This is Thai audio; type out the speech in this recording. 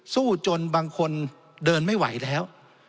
สู้จนบางคนเดินไม่ไหวแล้ว